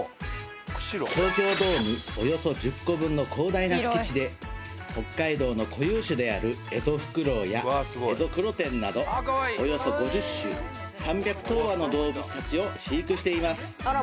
東京ドームおよそ１０個分の広大な敷地で北海道の固有種であるエゾフクロウやエゾクロテンなどおよそ５０種３００頭羽の動物達を飼育しています